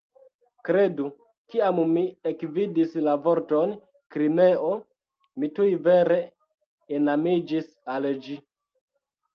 Kredu, kiam mi ekvidis la vorton "Krimeo" mi tuj vere enamiĝis al ĝi.